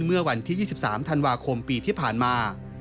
เมื่อวันที่๒๓ธันวาคมปีที่ผ่านมา